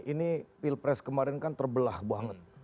ini pilpres kemarin kan terbelah banget